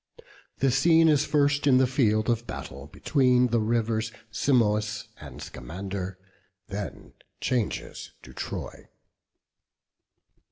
The scene is first in the field of battle, between the rivers Simois and Scamander, and then changes to Troy.